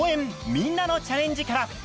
みんなのチャレンジ」から。